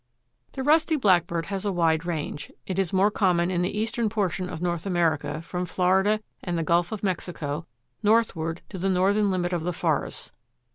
The Rusty Blackbird has a wide range. It is more common in the eastern portion of North America from Florida and the Gulf of Mexico northward to the northern limit of the forests.